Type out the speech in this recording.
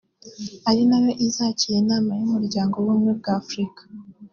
ari na yo izakira inama y’Umuryango w’Ubumwe bwa Afurika